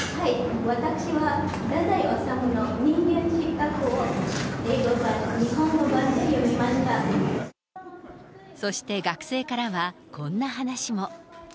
私は太宰治の人間失格を、英語版、そして学生からはこんな話も。